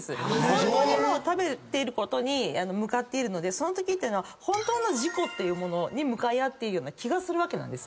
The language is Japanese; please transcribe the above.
ホントにもう食べていることに向かっているのでそのときは本当の自己ってものに向かい合っているような気がする。